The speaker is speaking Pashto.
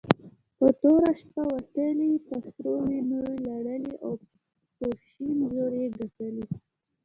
په توره شپه وتلې په سرو وينو لړلې په شين زور يي ګټلې